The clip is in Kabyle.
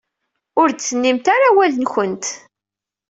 Ur d-tennimt ara awal-nwent.